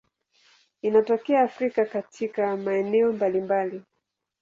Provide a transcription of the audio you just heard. Inatokea Afrika katika maeneo mbalimbali.